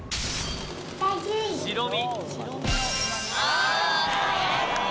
白身。